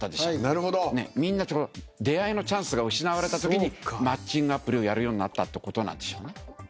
みんな出会いのチャンスが失われたときにマッチングアプリをやるようになったってことなんでしょうね。